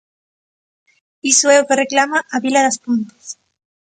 Iso é o que reclama a vila das Pontes.